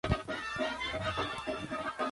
Se graduó en el desaparecido Instituto New Lincoln.